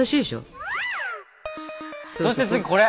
そして次これ！